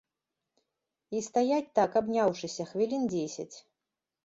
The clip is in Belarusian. І стаяць так, абняўшыся, хвілін дзесяць.